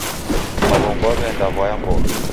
Aw'ongo w'aw'eenda w'aya mbogha.